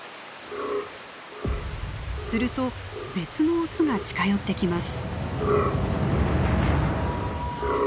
すると別のオスが近寄ってきます。